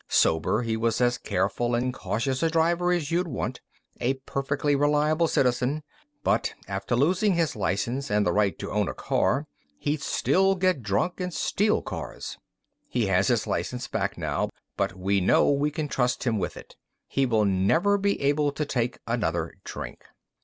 Sober, he was as careful and cautious a driver as you'd want a perfectly reliable citizen. But, after losing his license and the right to own a car, he'd still get drunk and steal cars. "He has his license back now, but we know we can trust him with it. He will never be able to take another drink.